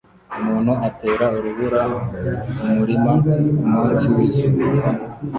Umuntu atera urubura mumurima kumunsi wizuba